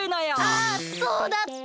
あそうだった！